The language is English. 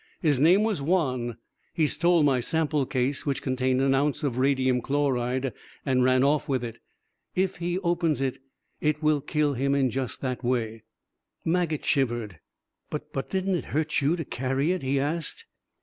"His name was Juan. He stole my sample case, which contained an ounce of radium chloride, and ran off with it. If he opens it, it will kill him in just that way." Maget shivered. "But but didn't it hurt you to carry it?" he asked.